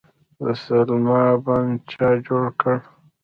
د سلما بند چا جوړ کړ؟